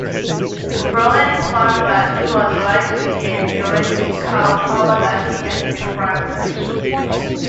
Robert found that it was largely a theoretical power that he had been granted.